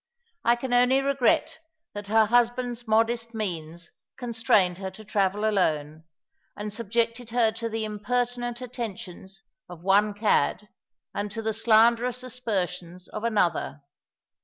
I can only regret that her husband's modest means constrained her to travel alone, and subjected her to the impertinent attentions of one cad and to the slanderous aspersions of another.